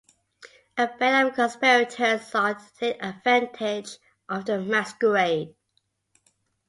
A band of conspirators thought to take advantage of the masquerade.